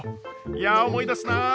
いや思い出すなあ！